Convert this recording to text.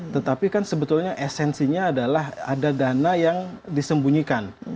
tetapi kan sebetulnya esensinya adalah ada dana yang disembunyikan